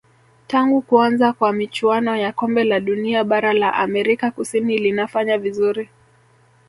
tangu kuanza kwa michuano ya kombe la dunia bara la amerika kusini linafanya vizuri